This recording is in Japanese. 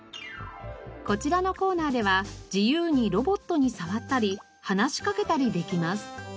こちらのコーナーでは自由にロボットに触ったり話しかけたりできます。